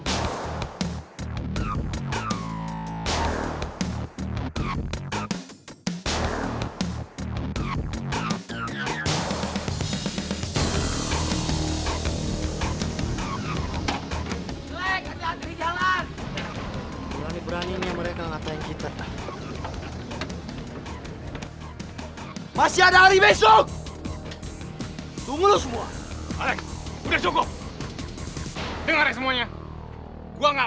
black jangan terjalan